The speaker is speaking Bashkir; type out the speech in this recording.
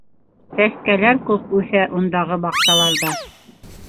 Сәскәләр күп үҫә ундағы баҡсаларҙа.